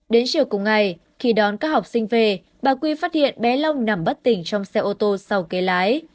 đến chiều cùng ngày khi đón các học sinh về bà quy phát hiện bé long nằm bất tỉnh trong xe ô tô sau kê lái